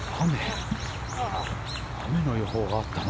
雨の予報があったの？